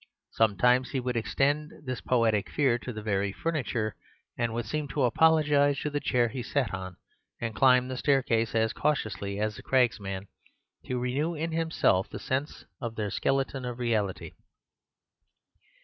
Sometimes he would extend this poetic fear to the very furniture; would seem to apologize to the chair he sat on, and climb the staircase as cautiously as a cragsman, to renew in himself the sense of their skeleton of reality.